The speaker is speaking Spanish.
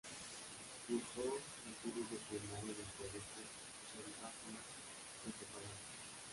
Cursó sus estudios de primaria en el Colegio Champagnat de Popayán.